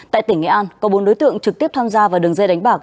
tại tỉnh nghệ an có bốn đối tượng trực tiếp tham gia vào đường dây đánh bạc